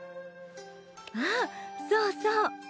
あっそうそう。